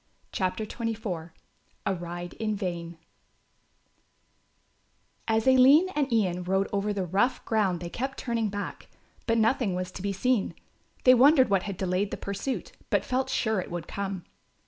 CHAPTER XXIV A RIDE IN VAIN As Aline and Ian rode over the rough ground they kept turning back; but nothing was to be seen. They wondered what had delayed the pursuit, but felt sure it would come.